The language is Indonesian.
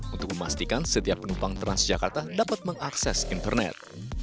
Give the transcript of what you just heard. untuk memastikan setiap penumpang transjakarta dapat mengakses internet